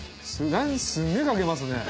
すげえかけますね。